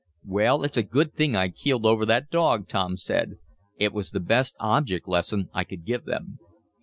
"Well, it's a good thing I keeled over that dog," Tom said. "It was the best object lesson I could give them."